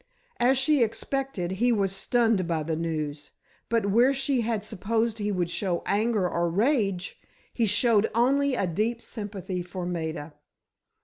As she expected, he was stunned by the news, but where she had supposed he would show anger or rage, he showed only a deep sympathy for Maida.